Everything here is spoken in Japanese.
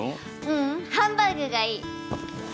ううんハンバーグがいい。